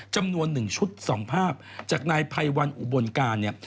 จำนวน๑ชุด๒ภาพจากนายภัยวันอุบลการเนี่ย